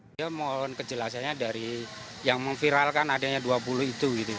beliau mohon kejelasannya dari yang memviralkan adanya dua puluh itu gitu